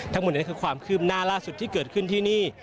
ทั้งหมดนี้คือความคืบหน้าล่าสุดที่เกิดขึ้นที่นี่